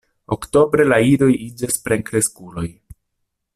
Oktobre la idoj iĝas plenkreskuloj.